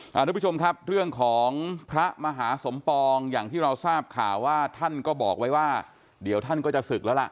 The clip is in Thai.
ทุกผู้ชมครับเรื่องของพระมหาสมปองอย่างที่เราทราบข่าวว่าท่านก็บอกไว้ว่าเดี๋ยวท่านก็จะศึกแล้วล่ะ